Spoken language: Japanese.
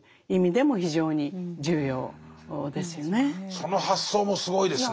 その発想もすごいですね。